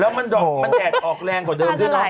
แล้วมันดอกมันแดดออกแรงกว่าเดิมด้วยเนาะ